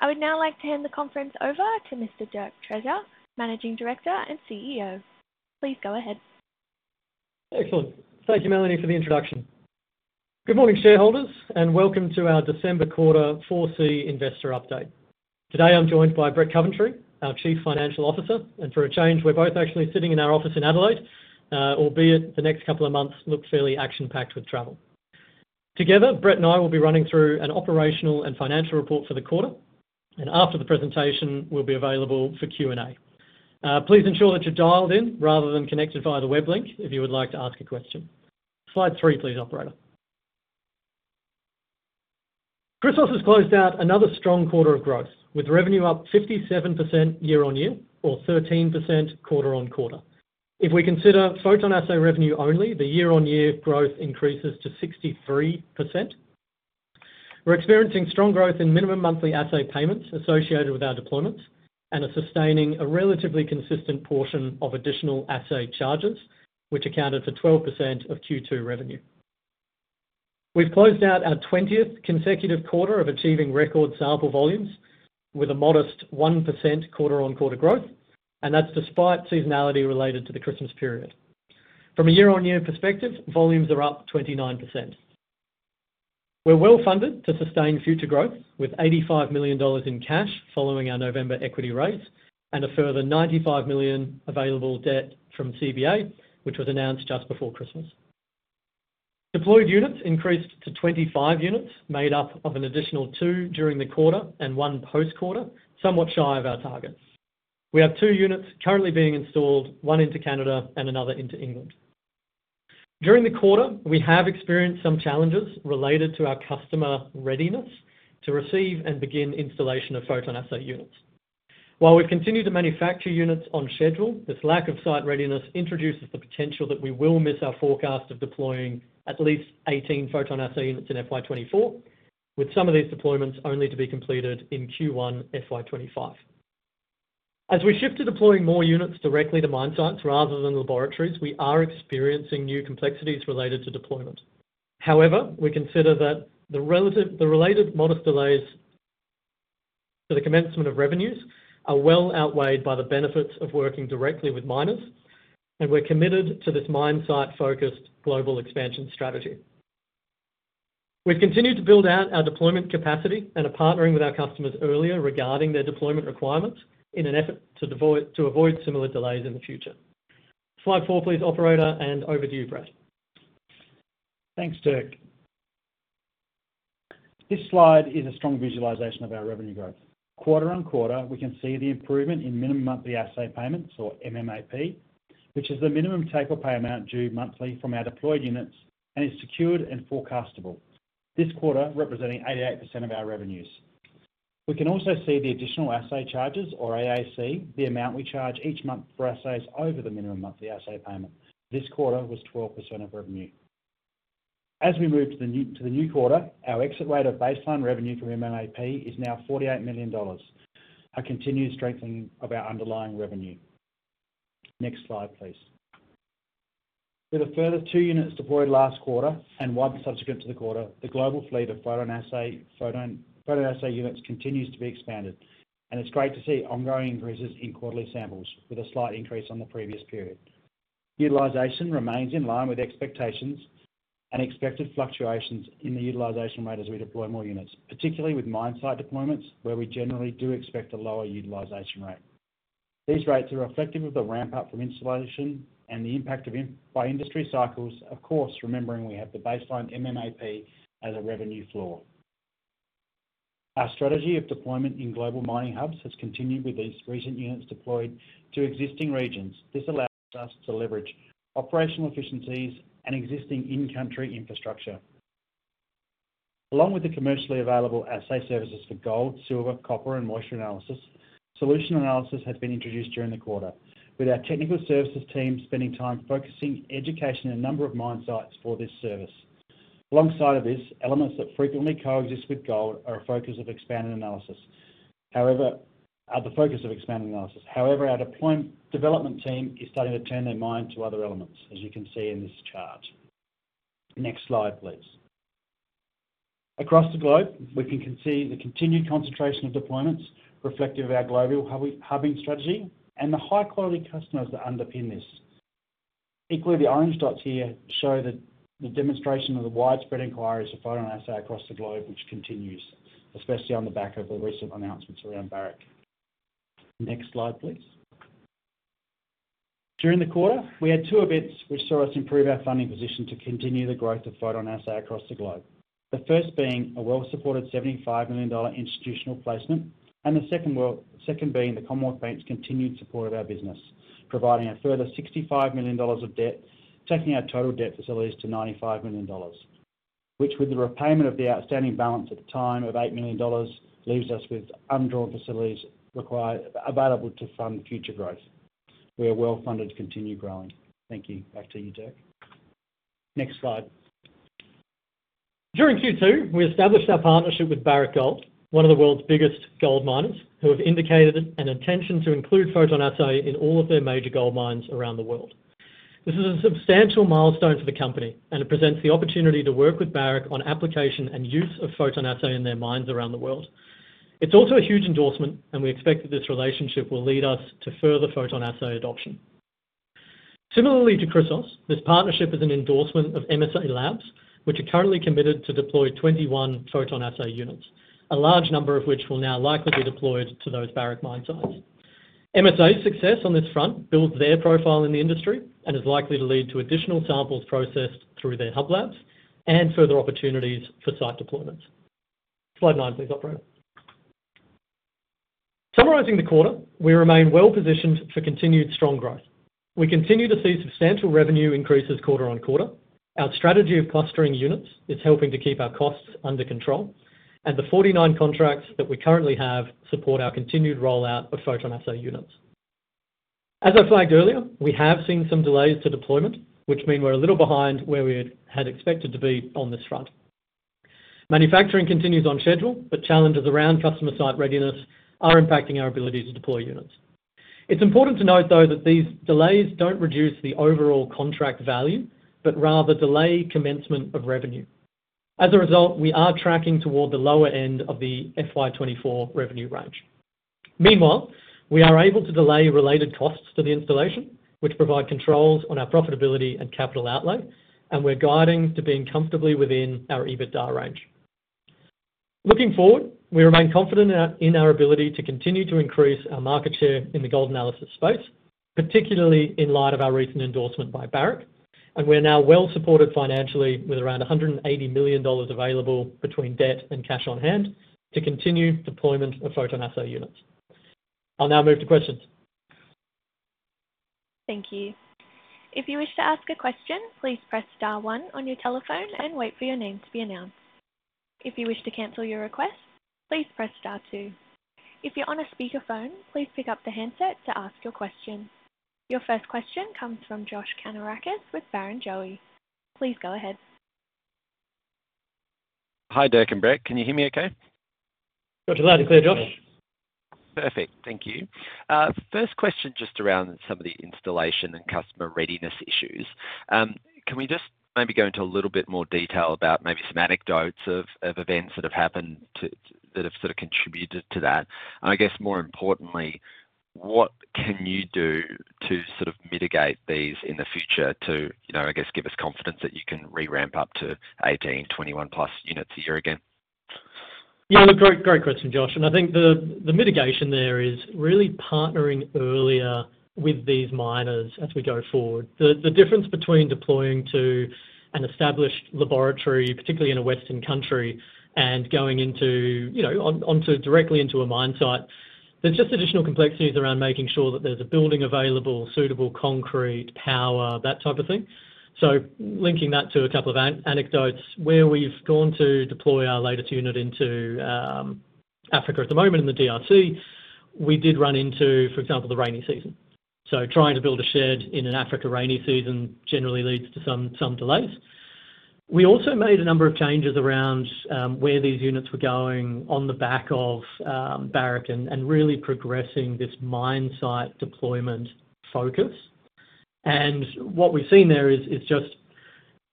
I would now like to hand the conference over to Mr. Dirk Treasure, Managing Director and CEO. Please go ahead. Excellent. Thank you, Melanie, for the introduction. Good morning, shareholders, and welcome to our December quarter 4C investor update. Today, I'm joined by Brett Coventry, our Chief Financial Officer, and for a change, we're both actually sitting in our office in Adelaide, albeit the next couple of months look fairly action-packed with travel. Together, Brett and I will be running through an operational and financial report for the quarter, and after the presentation, we'll be available for Q&A. Please ensure that you're dialed in rather than connected via the web link if you would like to ask a question. Slide three, please, operator. Chrysos has closed out another strong quarter of growth, with revenue up 57% year-on-year, or 13% quarter-on-quarter. If we consider PhotonAssay revenue only, the year-on-year growth increases to 63%. We're experiencing strong growth in minimum monthly assay payments associated with our deployments and are sustaining a relatively consistent portion of additional assay charges, which accounted for 12% of Q2 revenue. We've closed out our 20th consecutive quarter of achieving record sample volumes with a modest 1% quarter-on-quarter growth, and that's despite seasonality related to the Christmas period. From a year-on-year perspective, volumes are up 29%. We're well-funded to sustain future growth, with 85 million dollars in cash following our November equity raise and a further 95 million available debt from CBA, which was announced just before Christmas. Deployed units increased to 25 units, made up of an additional two during the quarter and one post-quarter, somewhat shy of our targets. We have two units currently being installed, oner into Canada and another into England. During the quarter, we have experienced some challenges related to our customer readiness to receive and begin installation of PhotonAssay units. While we've continued to manufacture units on schedule, this lack of site readiness introduces the potential that we will miss our forecast of deploying at least 18 PhotonAssay units in FY 2024, with some of these deployments only to be completed in Q1, FY 2025. As we shift to deploying more units directly to mine sites rather than laboratories, we are experiencing new complexities related to deployment. However, we consider that the related modest delays to the commencement of revenues are well outweighed by the benefits of working directly with miners, and we're committed to this mine site-focused global expansion strategy. We've continued to build out our deployment capacity and are partnering with our customers earlier regarding their deployment requirements in an effort to avoid similar delays in the future. Slide four, please, operator, and over to you, Brett. Thanks, Dirk. This slide is a strong visualization of our revenue growth. Quarter on quarter, we can see the improvement in minimum monthly assay payments, or MMAP, which is the minimum take or pay amount due monthly from our deployed units and is secured and forecastable. This quarter representing 88% of our revenues. We can also see the additional assay charges, or AAC, the amount we charge each month for assays over the minimum monthly assay payment. This quarter was 12% of revenue. As we move to the new, to the new quarter, our exit rate of baseline revenue from MMAP is now 48 million dollars, a continued strengthening of our underlying revenue. Next slide, please. With a further two units deployed last quarter and one subsequent to the quarter, the global fleet of PhotonAssay, Photon, PhotonAssay units continues to be expanded, and it's great to see ongoing increases in quarterly samples with a slight increase on the previous period. Utilization remains in line with expectations and expected fluctuations in the utilization rate as we deploy more units, particularly with mine site deployments, where we generally do expect a lower utilization rate. These rates are reflective of the ramp-up from installation and the impact of industry cycles, of course, remembering we have the baseline MMAP as a revenue floor. Our strategy of deployment in global mining hubs has continued with these recent units deployed to existing regions. This allows us to leverage operational efficiencies and existing in-country infrastructure. Along with the commercially available assay services for gold, silver, copper, and moisture analysis, solution analysis has been introduced during the quarter, with our technical services team spending time focusing education in a number of mine sites for this service. Alongside of this, elements that frequently coexist with gold are a focus of expanding analysis. However, our deployment development team is starting to turn their mind to other elements, as you can see in this chart. Next slide, please. Across the globe, we can see the continued concentration of deployments reflective of our global hubbing strategy and the high-quality customers that underpin this. Equally, the orange dots here show the demonstration of the widespread inquiries of PhotonAssay across the globe, which continues, especially on the back of the recent announcements around Barrick. Next slide, please. During the quarter, we had two events which saw us improve our funding position to continue the growth of PhotonAssay across the globe. The first being a well-supported 75 million dollar institutional placement, and the second being the Commonwealth Bank's continued support of our business, providing a further 65 million dollars of debt, taking our total debt facilities to 95 million dollars, which, with the repayment of the outstanding balance at the time of 8 million dollars, leaves us with undrawn facilities available to fund future growth. We are well-funded to continue growing. Thank you. Back to you, Dirk. Next slide. During Q2, we established our partnership with Barrick Gold, one of the world's biggest gold miners, who have indicated an intention to include PhotonAssay in all of their major gold mines around the world. This is a substantial milestone for the company, and it presents the opportunity to work with Barrick on application and use of PhotonAssay in their mines around the world. It's also a huge endorsement, and we expect that this relationship will lead us to further PhotonAssay adoption. Similarly to Chrysos, this partnership is an endorsement of MSA Labs, which are currently committed to deploy 21 PhotonAssay units, a large number of which will now likely be deployed to those Barrick mine sites. MSA's success on this front builds their profile in the industry and is likely to lead to additional samples processed through their hub labs and further opportunities for site deployments. Slide nine, please, operator. Summarizing the quarter, we remain well positioned for continued strong growth. We continue to see substantial revenue increases quarter-over-quarter. Our strategy of clustering units is helping to keep our costs under control, and the 49 contracts that we currently have support our continued rollout of PhotonAssay units. As I flagged earlier, we have seen some delays to deployment, which mean we're a little behind where we had expected to be on this front. Manufacturing continues on schedule, but challenges around customer site readiness are impacting our ability to deploy units. It's important to note, though, that these delays don't reduce the overall contract value, but rather delay commencement of revenue. As a result, we are tracking toward the lower end of the FY 2024 revenue range. Meanwhile, we are able to delay related costs to the installation, which provide controls on our profitability and capital outlay, and we're guiding to being comfortably within our EBITDA range. Looking forward, we remain confident in our, in our ability to continue to increase our market share in the gold analysis space, particularly in light of our recent endorsement by Barrick. And we're now well supported financially, with around 180 million dollars available between debt and cash on hand to continue deployment of PhotonAssay units. I'll now move to questions. Thank you. If you wish to ask a question, please press star one on your telephone and wait for your name to be announced. If you wish to cancel your request, please press star two. If you're on a speakerphone, please pick up the handset to ask your question. Your first question comes from Josh Kannourakis with Barrenjoey. Please go ahead. Hi, Dirk and Brett. Can you hear me okay? Got you loud and clear, Josh. Perfect. Thank you. First question, just around some of the installation and customer readiness issues. Can we just maybe go into a little bit more detail about maybe some anecdotes of events that have sort of contributed to that? And I guess more importantly, what can you do to sort of mitigate these in the future to, you know, I guess give us confidence that you can re-ramp up to 18, 21+ units a year again? Yeah, look, great, great question, Josh, and I think the mitigation there is really partnering earlier with these miners as we go forward. The difference between deploying to an established laboratory, particularly in a Western country, and going into, you know, directly into a mine site, there's just additional complexities around making sure that there's a building available, suitable concrete, power, that type of thing. So linking that to a couple of anecdotes, where we've gone to deploy our latest unit into Africa at the moment, in the DRC, we did run into, for example, the rainy season. So trying to build a shed in an African rainy season generally leads to some delays. We also made a number of changes around where these units were going on the back of Barrick and really progressing this mine site deployment focus. What we've seen there is just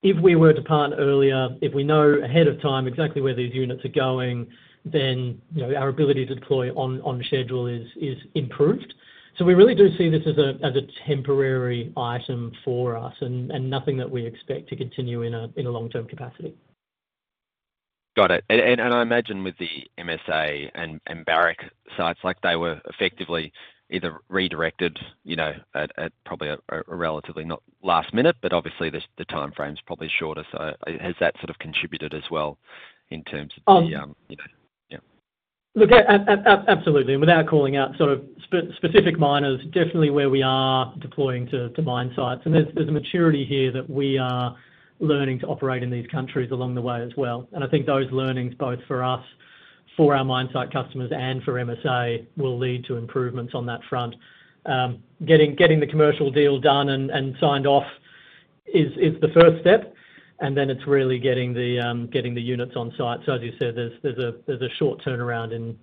if we were to partner earlier, if we know ahead of time exactly where these units are going, then, you know, our ability to deploy on schedule is improved. So we really do see this as a temporary item for us and nothing that we expect to continue in a long-term capacity. Got it. And I imagine with the MSA and Barrick sites, like, they were effectively either redirected, you know, at probably a relatively not last minute, but obviously the timeframe's probably shorter. So has that sort of contributed as well in terms of the, Um- Yeah. Look, absolutely, and without calling out sort of specific miners, definitely where we are deploying to mine sites. And there's a maturity here that we are learning to operate in these countries along the way as well. And I think those learnings, both for us, for our mine site customers, and for MSA, will lead to improvements on that front. Getting the commercial deal done and signed off is the first step, and then it's really getting the units on site. So as you said, there's a short turnaround in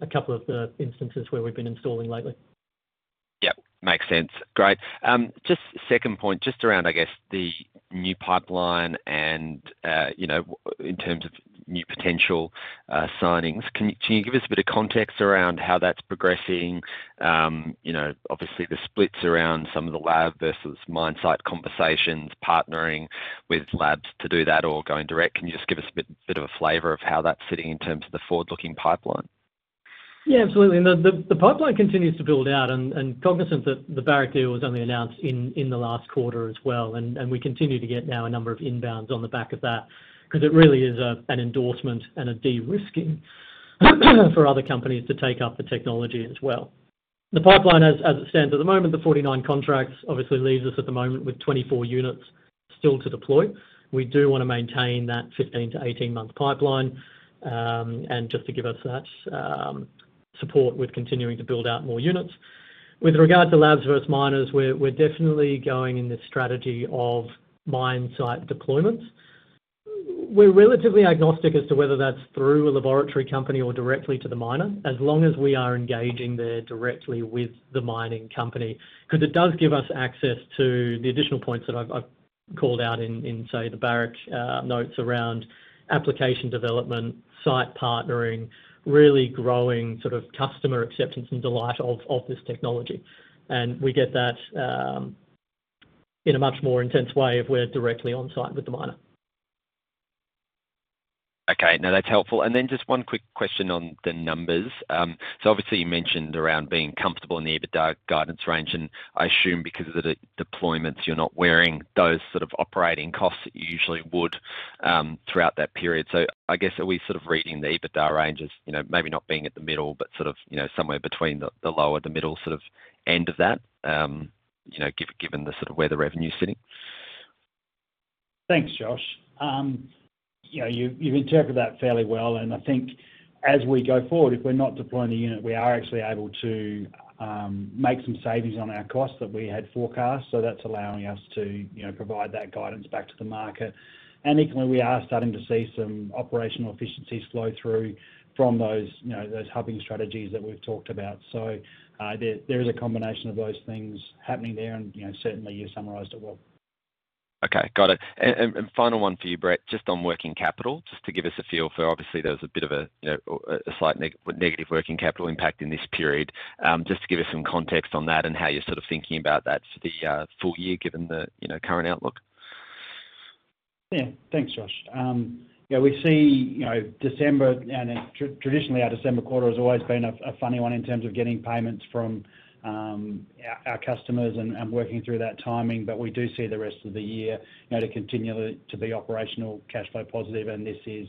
a couple of the instances where we've been installing lately. Yeah, makes sense. Great. Just second point, just around, I guess, the new pipeline and, you know, in terms of new potential, signings. Can you, can you give us a bit of context around how that's progressing? You know, obviously, the splits around some of the lab versus mine site conversations, partnering with labs to do that or going direct. Can you just give us a bit, bit of a flavor of how that's sitting in terms of the forward-looking pipeline? Yeah, absolutely. The pipeline continues to build out, and cognizant that the Barrick deal was only announced in the last quarter as well, and we continue to get now a number of inbounds on the back of that. Because it really is an endorsement and a de-risking for other companies to take up the technology as well. The pipeline, as it stands at the moment, the 49 contracts obviously leaves us at the moment with 24 units still to deploy. We do want to maintain that 15-18-month pipeline, and just to give us that support with continuing to build out more units. With regard to labs versus miners, we're definitely going in this strategy of mine site deployments. We're relatively agnostic as to whether that's through a laboratory company or directly to the miner, as long as we are engaging there directly with the mining company. Because it does give us access to the additional points that I've called out in, say, the Barrick notes around application development, site partnering, really growing sort of customer acceptance and delight of this technology. And we get that in a much more intense way if we're directly on site with the miner. Okay, now that's helpful. And then just one quick question on the numbers. So obviously, you mentioned around being comfortable in the EBITDA guidance range, and I assume because of the, the deployments, you're not wearing those sort of operating costs that you usually would throughout that period. So I guess, are we sort of reading the EBITDA range as, you know, maybe not being at the middle, but sort of, you know, somewhere between the, the lower, the middle sort of end of that, given the sort of where the revenue is sitting? Thanks, Josh. Yeah, you've interpreted that fairly well, and I think as we go forward, if we're not deploying the unit, we are actually able to make some savings on our costs that we had forecast. So that's allowing us to, you know, provide that guidance back to the market. And equally, we are starting to see some operational efficiencies flow through from those, you know, those hubbing strategies that we've talked about. So, there is a combination of those things happening there, and, you know, certainly you summarized it well. Okay, got it. And final one for you, Brett, just on working capital, just to give us a feel for, obviously, there was a bit of a, you know, a slight negative working capital impact in this period. Just to give us some context on that and how you're sort of thinking about that for the full year, given the, you know, current outlook. Yeah. Thanks, Josh. Yeah, we see, you know, December, and then traditionally, our December quarter has always been a funny one in terms of getting payments from our customers and working through that timing, but we do see the rest of the year, you know, to continue to be operational, cash flow positive, and this is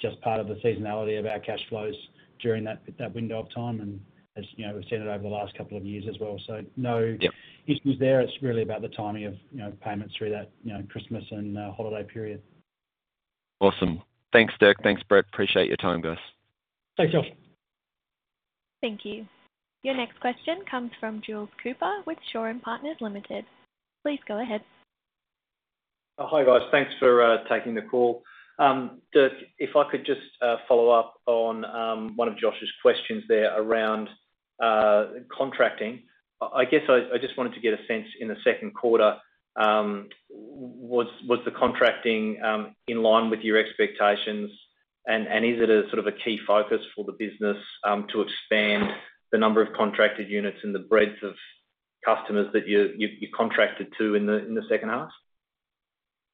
just part of the seasonality of our cash flows during that window of time. And as, you know, we've seen it over the last couple of years as well. So no- Yeah - issues there. It's really about the timing of, you know, payments through that, you know, Christmas and holiday period. Awesome. Thanks, Dirk. Thanks, Brett. Appreciate your time, guys. Thanks, Josh. Thank you. Your next question comes from Jules Cooper with Shore Capital Partners Limited. Please go ahead. Hi, guys. Thanks for taking the call. Dirk, if I could just follow up on one of Josh's questions there around contracting. I guess I just wanted to get a sense in the second quarter, was the contracting in line with your expectations? Is it a sort of a key focus for the business to expand the number of contracted units and the breadth of customers that you contracted to in the second half?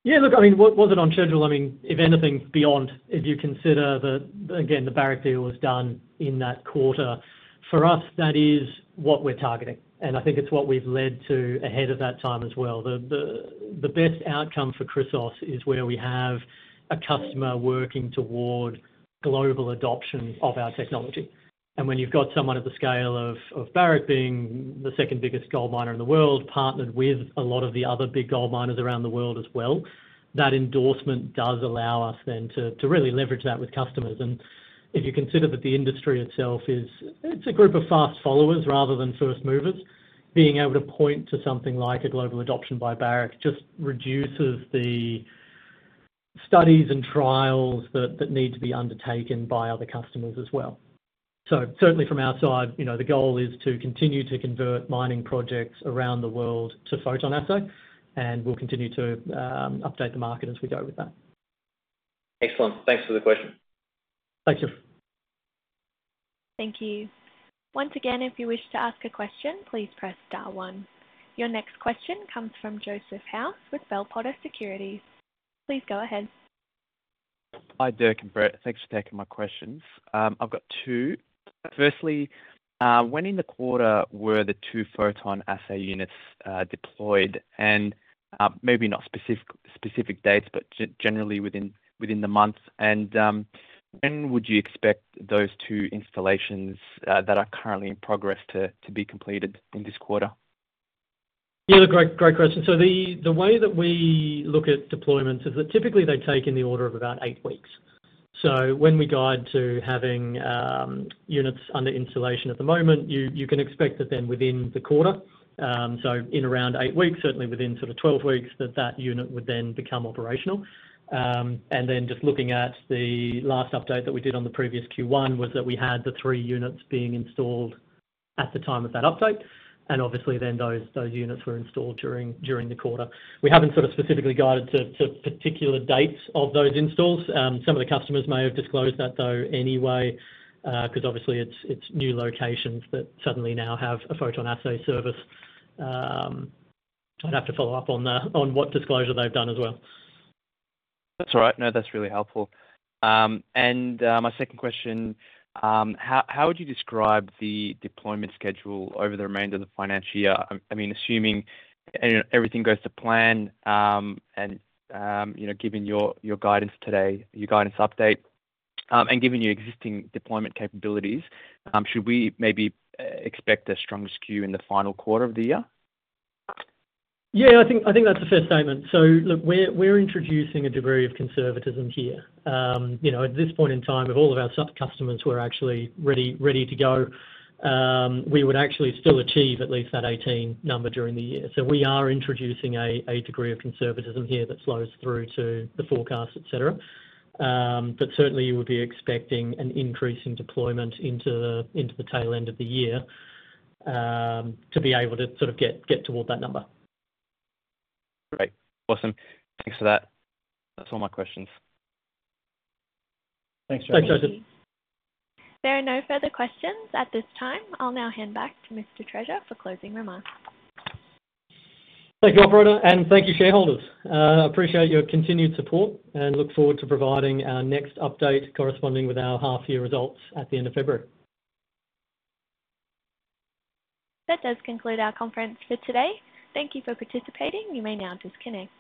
Yeah, look, I mean, was it on schedule? I mean, if anything, if you consider that, again, the Barrick deal was done in that quarter. For us, that is what we're targeting, and I think it's what we've led to ahead of that time as well. The best outcome for Chrysos is where we have a customer working toward global adoption of our technology. And when you've got someone at the scale of Barrick, being the second biggest gold miner in the world, partnered with a lot of the other big gold miners around the world as well, that endorsement does allow us then to really leverage that with customers. If you consider that the industry itself is a group of fast followers rather than first movers, being able to point to something like a global adoption by Barrick just reduces the studies and trials that need to be undertaken by other customers as well. So certainly from our side, you know, the goal is to continue to convert mining projects around the world to PhotonAssay, and we'll continue to update the market as we go with that. Excellent. Thanks for the question. Thank you. Thank you. Once again, if you wish to ask a question, please press star one. Your next question comes from Joseph House with Bell Potter Securities. Please go ahead. Hi, Dirk and Brett. Thanks for taking my questions. I've got two. Firstly, when in the quarter were the two PhotonAssay units deployed? And, maybe not specific dates, but generally within the months. And, when would you expect those two installations that are currently in progress to be completed in this quarter? Yeah, great, great question. So the way that we look at deployments is that typically they take in the order of about eight weeks. So when we guide to having units under installation at the moment, you can expect that then within the quarter, so in around eight weeks, certainly within sort of 12 weeks, that unit would then become operational. And then just looking at the last update that we did on the previous Q1, that we had the three units being installed at the time of that update, and obviously then those units were installed during the quarter. We haven't sort of specifically guided to particular dates of those installs. Some of the customers may have disclosed that, though, anyway, because obviously it's new locations that suddenly now have a PhotonAssay service. I'd have to follow up on what disclosure they've done as well. That's all right. No, that's really helpful. And my second question, how would you describe the deployment schedule over the remainder of the financial year? I mean, assuming everything goes to plan, and you know, given your guidance today, your guidance update, and given your existing deployment capabilities, should we maybe expect a stronger skew in the final quarter of the year? Yeah, I think, I think that's a fair statement. So look, we're, we're introducing a degree of conservatism here. You know, at this point in time, if all of our customers were actually ready to go, we would actually still achieve at least that 18 number during the year. So we are introducing a degree of conservatism here that flows through to the forecast, et cetera. But certainly you would be expecting an increase in deployment into the tail end of the year, to be able to sort of get toward that number. Great. Awesome. Thanks for that. That's all my questions. Thanks, Joseph. Thanks, Joseph. There are no further questions at this time. I'll now hand back to Mr. Treasure for closing remarks. Thank you, operator, and thank you, shareholders. Appreciate your continued support and look forward to providing our next update corresponding with our half-year results at the end of February. That does conclude our conference for today. Thank you for participating. You may now disconnect.